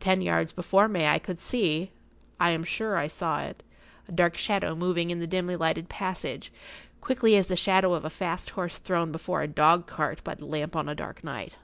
Ten yards before me I could see—I am sure I saw it—a dark shadow moving in the dimly lighted passage, quickly as the shadow of a fast horse thrown before a dog cart by the lamp on a dark night.